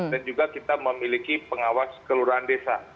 dan juga kita memiliki pengawas kelurahan desa